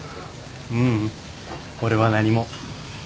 ううん俺は何も。